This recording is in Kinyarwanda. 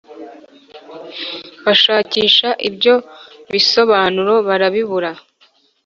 bashakisha ibyo bisobanuro barabibura